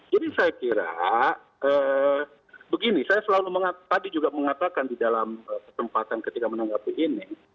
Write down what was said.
jadi saya kira begini saya selalu tadi juga mengatakan di dalam kesempatan ketika menanggapi ini